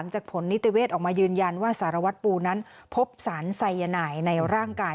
จากผลนิติเวศออกมายืนยันว่าสารวัตรปูนั้นพบสารไซยานายในร่างกาย